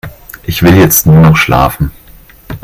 Ich will jetzt nur noch schlafen.